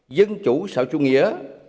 dân chủ xạo chung nghĩa